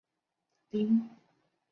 临港大道站